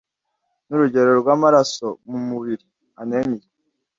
n’urugero rw’amaraso mu mubiri (Anemia)